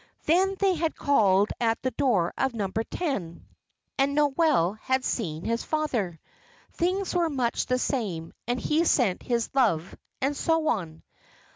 Then they had called at the door of Number Ten, and Noel had seen his father. Things were much the same, and he sent his love, and so on.